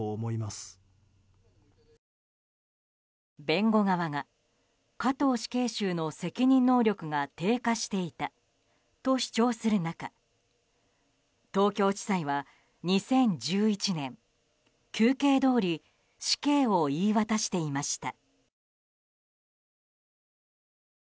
弁護側が加藤死刑囚の責任能力が低下していたと主張する中東京地裁は２０１１年求刑どおり死刑を言い渡していました。